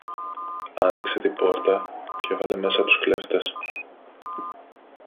άνοιξε την πόρτα κι έβαλε μέσα τους κλέφτες.